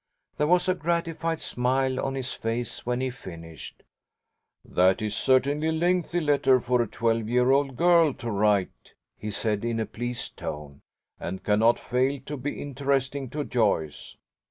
There was a gratified smile on his face when he finished. "That is certainly a lengthy letter for a twelve year old girl to write," he said, in a pleased tone, "and cannot fail to be interesting to Joyce.